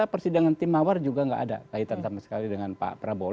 karena persidangan tim mawar juga enggak ada kaitan sama sekali dengan pak prabowo